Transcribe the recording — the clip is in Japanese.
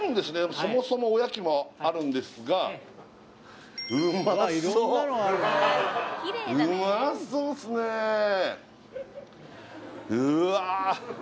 そもそもおやきもあるんですがうまそううまそうですねうわ